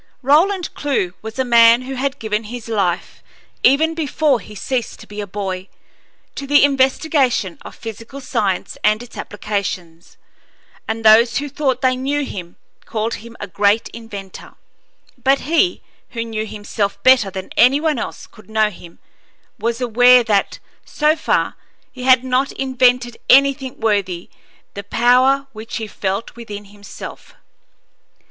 Roland Clewe was a man who had given his life, even before he ceased to be a boy, to the investigation of physical science and its applications, and those who thought they knew him called him a great inventor; but he, who knew himself better than any one else could know him, was aware that, so far, he had not invented anything worthy the power which he felt within himself.